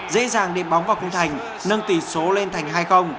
dễ dàng đi bóng vào khung thành nâng tỷ số lên thành hai